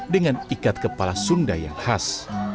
dengan ikat kepala sunda yang khas